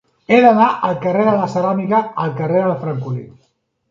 He d'anar del carrer de la Ceràmica al carrer del Francolí.